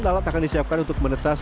lalat akan disiapkan untuk menetas